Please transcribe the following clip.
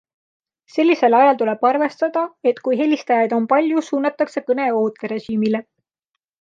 Sellisel ajal tuleb arvestada, et kui helistajaid on palju, suunatakse kõne ooterežiimile.